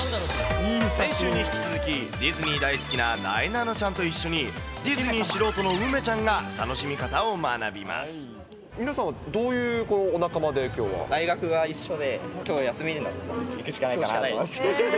先週に引き続き、ディズニー大好きななえなのちゃんと一緒に、ディズニー素人の梅ちゃんが楽し皆さんはどういうお仲間で、大学が一緒で、きょう休みになったので、行くしかないかなと。